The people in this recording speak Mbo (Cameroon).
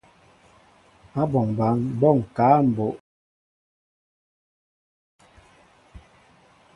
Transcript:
Áɓɔŋ ɓăn ɓɔ ŋkă a mbóʼ.